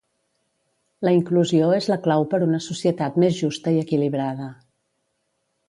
La inclusió és la clau per una societat més justa i equilibrada.